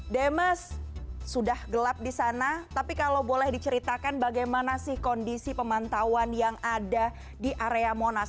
demes sudah gelap di sana tapi kalau boleh diceritakan bagaimana sih kondisi pemantauan yang ada di area monas